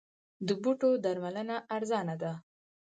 د بوټو درملنه ارزانه ده؟